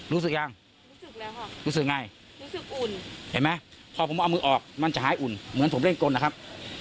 รู้สึกยังรู้สึกแล้วค่ะรู้สึกไงรู้สึกอุ่นเห็นไหมพอผมเอามือออกมันจะหายอุ่นเหมือนผมเล่นกลนะครับ